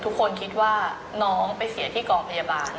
ทุกคนคิดว่าน้องไปเสียที่กองพยาบาล